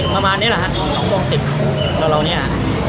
ประมาณ๒โมง๑๐เนาะ